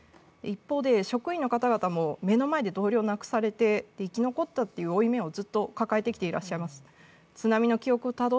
一方で職員の方々も目の前で同僚を亡くされて生き残ったという負い目をずっと抱えてきています。